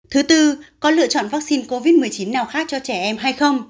thứ tư có lựa chọn vaccine covid một mươi chín nào khác cho trẻ em hay không